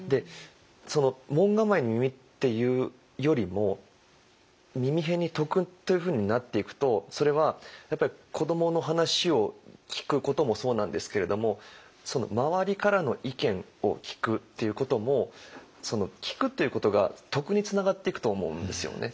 その門構えに「耳」っていうよりも耳偏に「徳」というふうになっていくとそれはやっぱり子どもの話を聴くこともそうなんですけれどもその周りからの意見を聴くっていうことも聴くということが徳につながっていくと思うんですよね。